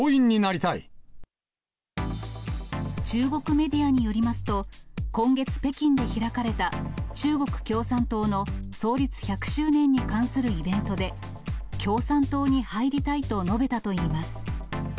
中国メディアによりますと、今月、北京で開かれた中国共産党の創立１００周年に関するイベントで、共産党に入りたいと述べたといいます。